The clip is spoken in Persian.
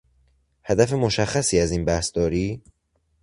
هدف مشخصی از این بحث داری؟